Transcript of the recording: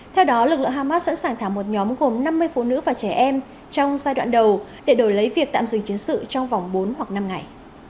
theo đó lực lượng hamas sẵn sàng thả một nhóm gồm năm mươi phụ nữ và trẻ em trong giai đoạn đầu để đổi lấy việc tạm dừng chiến sự trong vòng bốn hoặc năm ngày